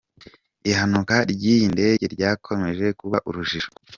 Ihanuka ry’ iyi ndege ryakomeje kuba urujijo.